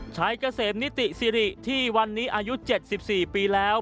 เกษมนิติสิริที่วันนี้อายุ๗๔ปีแล้ว